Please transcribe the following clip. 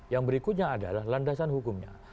yang berikutnya adalah landasan hukumnya